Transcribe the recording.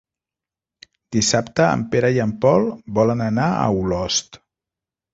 Dissabte en Pere i en Pol volen anar a Olost.